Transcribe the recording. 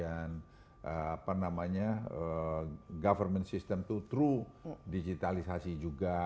apa namanya government system through digitalisasi juga